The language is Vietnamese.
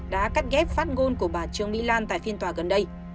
đã cắt ghép phát ngôn của bà trương mỹ lan tại phiên tòa gần đây